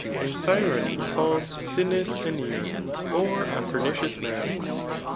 And Sciron he calls, sinms aneer^ or a pernicious man.